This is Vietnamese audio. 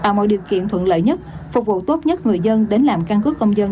tạo mọi điều kiện thuận lợi nhất phục vụ tốt nhất người dân đến làm căn cứ công dân